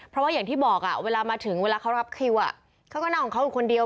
เพราะว่าอย่างที่บอกเวลามาถึงเวลาเขารับคิวเขาก็นั่งของเขาอยู่คนเดียว